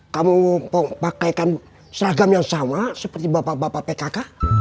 kamu pakaikan seragam yang sama seperti bapak bapak pkk